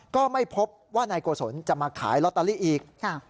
ก็ไม่พบว่านายโกศลจะมาขายลอตเตอรี่อีก